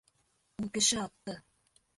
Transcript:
Ул кеше атты...